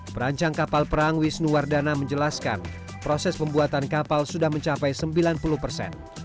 perancang kapal perang wisnuwardana menjelaskan proses pembuatan kapal sudah mencapai sembilan puluh persen